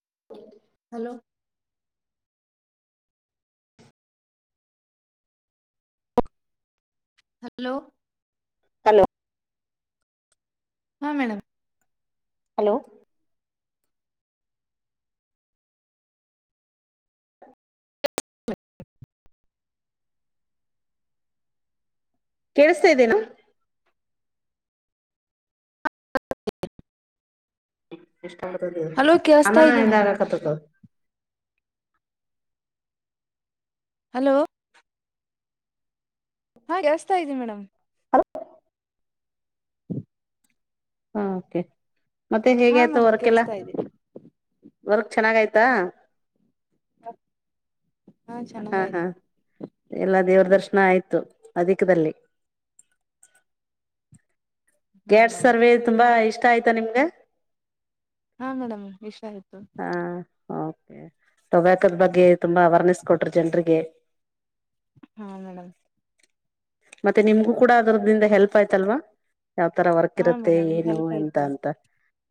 ಹ hello hello hello ಹಾ madam hello ಕೇಳಿಸತಾ ಇದ್ದೇನಾ ಹಲೋ [inaudible] ಅಣ ಕೇಳಸ್ತಾ ಇದೆ ಇದಾಗ ಮೇಡಮ್ ಕತಕ್ಕ ಹಲೋ ಹಾಸ್ತಾ ಇದಐ್ದಿ ಮೇಡಮ್ ಹಾ ಕೆ ಮತ್ತೆ ಹೇಗೆ ಹಾ ಆಯ್ತು ಮೇಡಮ್ ಹೊರ್ಕಲ್ಲ ಕೇಳಸ್ತಾ ಇದೆ ವರ್ಕ್ ಚೆನ್ನಾಗ ಆಯ್ತಾ ಚೆನ್ನಾಗ ಹಾ ಹಾ ಆಯ್ತು ಎಲ್ಲಾ ದೇವ್ರ ದರ್ಶನ ಆಯ್ತು ಅದಕ್ಕದಲ್ಲೇ ಹಾ ಗೇಡ್ ಮೇಡಮ್ ಸರ್ವೆ ತುಂಬಾ ಇಷ್ಟ ಷ್ಟ ಆಯ್ತಾ ನಿಮ್ಗೆ ಹಾ ಮೇಡಮ್ ವಿಷ ಆಯ್ತು ಹ ಹಾ ಓಕೆ ಟೊಬ್ಯಾಕೊದ ಬಗ್ಗೆ ತುಂಬಾ ಅವರ್ನೆಸ್ ಕೊಟ್ರರು ಜನ್ರಿಗೆ ಹಾ ಮೇಡಮ್ ಮತ್ತೆ ನಿಮ್ಗೂ ಕೂಡ ಅದ್ರ್ದಿಂದ ಹೆಲ್ಪ್ ಆಯ್ತಲ್ವಾ ಯಾವ ತರ ವರ್ಕ್ ಹಾ ಇರತ್ತೆ ಮೇಡಮ್ ಏನು ಹೆಲ್ಪ್ ಎಂತ ಆಯ್ತು ಅಂತ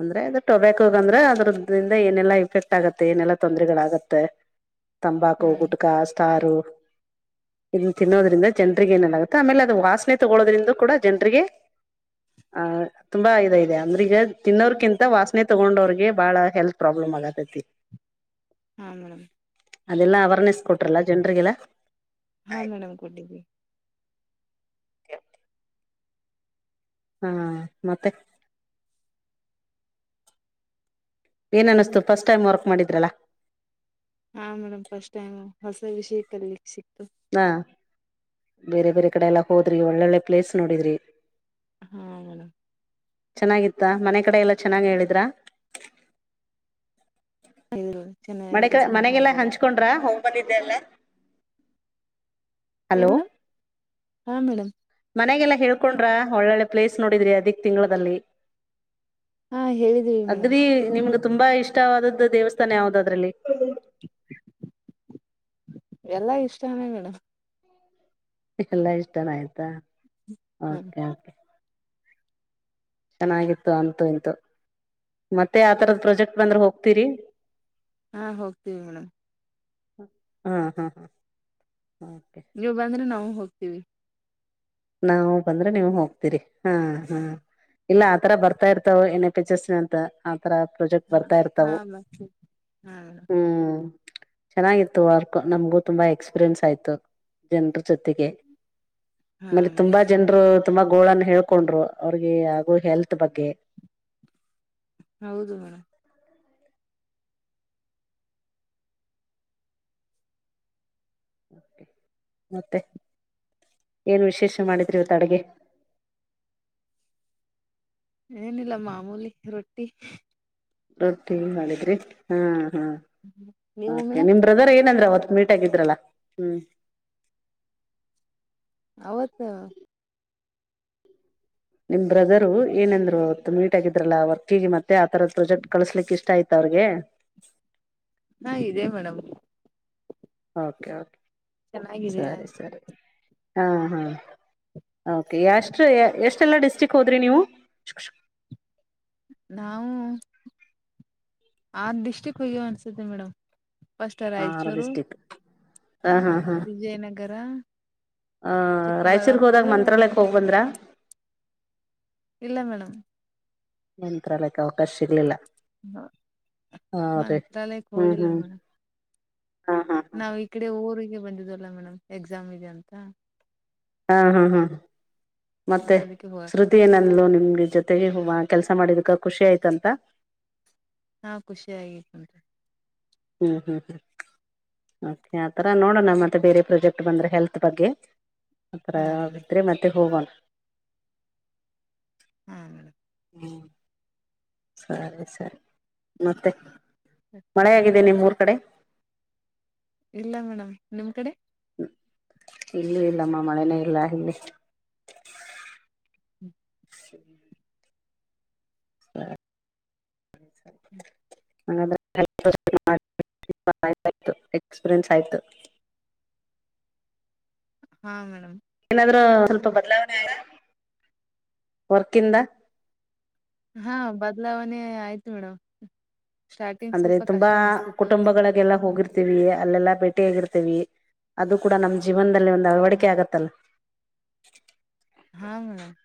ಅಂದ್ರೆ ಇದು ಟೊಬ್ಯಾಕೊ ಅಂದ್ರೆ ಅದ್ರದ್ದ ಏನೆಲ್ಲಾ ಇಫೆಕ್ಟ್ ಆಗುತ್ತೆ ಏನೆಲ್ಲಾ ತೊಂದರೆಗಳಾಗತ್ತೆ ತಂಬಾಕು ಹಾ ಗುಟಕಾ ಸ್ಟಾರು ಇದನ್ನ ತಿನ್ನೋದ್ರಿಂದ ಜನ್ರಿಗೆ ಏನನಾಗುತ್ತೆ ಆಮೇಲೆ ಅದು ವಾಸನೆ ತಗೊಳೋದ್ರಿಂದ ಕೂಡ ಜನ್ರಿಗೆ ಆಹ ತುಂಬಾ ಇದ ಇದೆ ಅಂದ್ರೆ ಈಗ ತಿನ್ನೋರ್ಕಿಂತ ವಾಸನೆ ತಗೊಂಡವಿಗೆ ಬಾಳ ಹೆಲ್ತ್ ಪ್ರಬ್ಲ ಆಗ ಹಾ ಮೇಡಮ್ ಅದೆಲ್ಲಾ ಅವರ್ನೆಸ್ ಕೊಟ್ರಲ್ಲ ಜನ್ರಿಗೆಲ್ಲ ಹಾ ಮೇಡಮ್ ಕೊಟ್ಟಿದ್ವಿ ಕ ಹಾ ಮತ್ತೆ ಏನ ಅನಿಸ್ತು ಫಸ್ಟ್ ಟೈಮ್ ವರ್ಕ್ ಮಾಡಿದ್ರಲ್ಲಾ ಹಾ ಮೇಡಮ್ ಫಸ್ಟ್ ಟೈಮ್ ಹೊಸ ವಿಷಯ ಕಲಿಕ್ ಸಿ ಹಾ ಬೇರೆ ಬೇರೆ ಕಡೆ ಎಲ್ಲ ಹೋದ್ರಿ ಒಳ್ಳೊಳ್ಳೆ ಪ್ಲೇಸ್ ನೋಡಿದ್ರಿ ಹಾ ಮೇಡಮ್ ಚೆನ್ನಾಗಿತ್ತ ಮನೆ ಕಡೆ ಎಲ್ಲಾ ಚೆನ್ನಾಗಿ ಹೇಳಿದ್ರ ಹೌದುೌದು ಮ ಮನೆಗೆಲ್ಲಾ ಹಂಚ್ಕೊಂಡ್ರ ಬಂದಿದ್ದೆ ಅಲ್ಲ ಏ ಮೇಡ್ ಹಾ ಮೇಡ್ ಮನೆಗೆಲ್ಲಾ ಹೇಳ್ಕೊಂಡ್ರ ಒಳ್ಳೊಳ್ಳೆ ಪ್ಲೇಸ್ ನೋಡಿದ್ರಿ ಅದಿಕ್ ತಿಂಗಳದಲ್ಲಿ ಹಾ ಹೇಳಿದ್ವಿ ಮೇಡಮ್ ಅಗ್ರಿ ನಿಮ್ಗೆ ತುಂಬಾ ಇಷ್ಟವಾದದ್ದ ದೇವಸ್ಥಾನ ಯಾವ್ದದು ಅದ್ರಲ್ಲಿ ಎಲ್ಲಾ ಇಷ್ಟಾನ ಮೇಡಮ್ ಲ್ಲಾ ಇಷ್ಟನ ಆಯ್ತಾ ಹಾ ಓಕೆ ಕೆ ಚೆನ್ನಾಗಿತ್ತು ಅಂತು ಎಂತು ಮತ್ತೆ ಆಾವತರದ ಪ್ರೊಾಜೆಕ್ಟ್ ಬಂದ್ರೆ ಹೋಗ್ತೀರಿ ಹಾ ಹೋಗ್ತೀವಿ ಮೇಡಮ್ ಹ್ಮ್ ಹ್ಮ್ ಹ್ಮ್ ನೀವು ಬಂದ್ರೆ ನಾವು ಹೋಗ್ ವಿ [inaudible] ನಾವವು ಬಂದ್ರೆ ನೀವು ಹೋಗ್ತೀರಿ ಹಾ ಹಾ ಇಲ್ಲ ಆತರ ಬರ್ತಾ ಇರ್ತಾವ ಏ್ಣೆ ಪಿಚಸ್ನ ಅಂತ ರ ಪ್ರಾಜೆಕ್ಟ್ ಹಾ ಬರ್ತಾ ಹಾ ಇರ್ತವು ಬರ್ತೀವಿ ಹಾ ಮೇಡಮ್ ಹ್ಮ್ ಚೆನ್ನಾಗಿತ್ತು ವರ್ಕ್ ನಮ್ಗೂ ತುಂಬಾ ಎಕ್ಸ್ಪೀರಿಯನ್ಸ್ ಆಯ್ತು ಜನರ ಜೊತೆಗೆ ಹಾ ಆಮೇಲೆ ತುಂಬಾ ಮೇಡಮ್ ಜನರು ತುಂಬಾ ಗೋಳನ್ ಹೇಳ್ಕೊಂಡ್ರು ಅವ್ರಿಗೆ ಆಗೊ ಹೆಲ್ತ್ ಬಗ್ಗೆ ಹೌದು ಮೇಡಮ್ ಮತ್ತೆ ಏನು ವಿಶೇಷ ಮಾಡಿದ್ರಿ ಇವತ್ತು ಅಡಗೆ ಏನಿಲ್ಲ ಮಾಮೂಲಿ ರೊಟ್ಟಿ ರೊಟ್ಟಿ ಮಾಡಿದ್ರಿ ಹಾ ಹಾ ನೀವು ಮೇಡಮ್ ನಿಮ್ ಬ್ರದರ್ ಏನಂದ್ರೆ ಅವ ಮೀಟ್ ಆಗಿದ್ರಲ್ಲ ಹ್ಮ್ ಆವತ್ತ ನಿಮ್ ಬ್ರದರು ಏನಂದ್ರು ಮೀಟ್ ಆಗಿದ್ರಲ್ಲಾ ವರ್ಕಿಗೆ ಮತ್ತ ಆ ತರ ಪ್ರೊಜೆಕ್ಟ್ ಕಳಸ್ಲಿಕ್ ಇಷ್ಟ ಇತೆಯ ಮತ್ತ ಅವ್ರಿಗೆ ಹಾ ಇದೇ ಮೇಡಮ್ ಓಕೆ ಓಕೆ ಚೆನ್ನಾಗಿದೆ ಸರಿ ಸರಿ ಹಾ ಹಾ ಓಕೆ ಎಷ್ಟು ಎಷ್ಟು [unintelligible] ಲ್ಲ ಡಿಸ್ಟಿಕ್ ಹೋದ್ರಿ ನೀವು ನಾವು ಆ ಡಿಸ್ಟಿಕ್ ಹೋಗ್ಯವ ಅನ್ಸುತ್ತೆ ಮೇಡಮ್ ಪಷ್ಟ ರಾಯಚೂರು ಹಾ ಹಾ ಹಾ ಗರ ಆ ರಾಯಚೂರ್ರಿಗೆ ಹೋದಾಗ ಮಂತ್ರಾಲಯಕ್ಕೆ ಹೋಗ್ ಬಂದ್ರ ಇಲ್ಲ ಮೇಡಮ್ ಮಂತ್ರಾಲಯಕ್ಕೆ ಅವಕಾಶ ಸಿಗಲಿಲ್ಲ ಹ ಮಂತ್ರಾಲಯಕ ಹ್ಮ್ ಹೋಗಿಲ್ಲ ಹ್ಮ್ ಮೇಡಂ ಹಾ ಹಾ ಹಾ ನಾವ್ ಇ ಕಡೆ ಊರಿ ಗೆ ಹೀಗೆ ಬಂದಿದಲ್ಲ ಮೇಡಮ್ ಎಕ್ಸಾಮ್ ಇದೆ ಅಂತ ಹಾ ಹಾ ಹಾ ಮತ್ತೆ ಅದಕ್ಕೆ ಹೋಗಕ ಶ್ರುತಿ ಏನಂದಲು ನಿಮ್ ಜೊತೆಗೆ ಹ ಕೆಲ್ಸ ಮಾಡಿದಕ್ಕೆ ಖುಷಿ ಆಯ್ತಂತ ಹಾ ಖುಷಿ ಆಗಿತ್ ನೋಡ್ರಿ ಹ್ಮ ಹ್ಮ್ ಹ್ಮ್ ಓಕೆ ಆ ಥರ ನೋಡೋಣ ಮತ್ತೆ ಬೇರೆ ಪ್ರೊಜೆಕ್ಟ್ ಬಂದರೆೆ ಹೆಲ್ತ್ ಬಗ್ಗೆ ಆತ್ರ ಹಾ ಮೇಡಮ್ ವಿದ್ರೆ ಮತ್ತೆ ಹೋಗೋಣ ಹಾ ಮೇಡಮ್ ಹ್ಮ್ಮ್ ಸರಿ ಸರಿ ಮತ್ತೆ ಮಳೆ ಹೆಗಿದೆ ನಿಮ್ಮುರ ಕಡೆ ಇಲ್ಲ ಮೇಡಮ್ ನಿಮ್ ಕಡೆ ಇಲ್ಲೂ ಇಲ್ಲಮ್ಮ ಮಳೆನೇ ಇಲ್ಲ ಇಲ್ಲಿ ಸ [unintelligible] ಸರಿ ಹಂಗಾದ್ರೆ ಎಕ್ಪೀರಿಯನ್ಸ್ ಆಯ್ತು ಹಾಂ ಮೇಡಮ್ ಆದ್ರು ಸ್ಪಲ್ಪ ಬದಲಾವಣೆ ಆಯ್ತಾ ವರ್ಕಿಂದ ಹಾ ಬದ್ಲಾವಣೆ ಆಯ್ತು ಮೇಡಮ್ ಸ್ಟಾರ್ಟಿಂಗ್ ಅಂದ್ರೆ ಸ್ವಲ್ಪ ತುಂಬಾ ಕಷ್ಟ ಅನ್ಸ್ತಿತ್ತು ಕುಟುಂಬಗಳಿಗೆಲ್ಲಾ ಹೋಗಿರ ತಿವಿ ಅಲ್ಲೆಲ್ಲ ಭೇಟಿ ಆಗಿರ್ತೀವಿ ಅದು ಕೂಡ ನಮ್ಮ್ ಜೀವನ್ ಒಂದ ಹಾ ಅಳವಡಿಕೆ ಆಗತಲ್ಲ [unintelligible] ಹಾ ಮೇಡಮ್